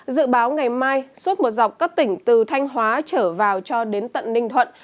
dự báo ngày mai suốt một dọc các tỉnh từ thanh hóa trở vào cho đến tận ninh thuận